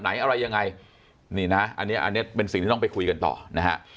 ไหนอะไรยังไงนี่นะอันนี้อันนี้เป็นสิ่งที่ต้องไปคุยกันต่อนะฮะ